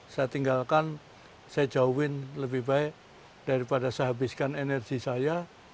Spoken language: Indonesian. saya tinggalkan saya jauhin lebih baik daripada saya habiskan energi saya